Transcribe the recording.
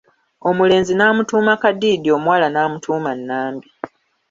Omulenzi n'amutuuma Kadiidi omuwala n'amutuuma Nambi.